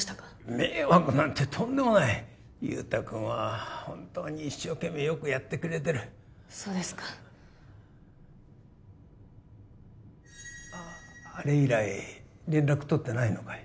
迷惑なんてとんでもない雄太君は本当に一生懸命よくやってくれてるそうですかああれ以来連絡取ってないのかい？